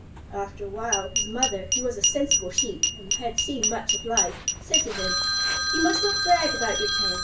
After a while, his mother, who was a sensible Sheep and had seen much of life, said to him: "You must not brag about your tail.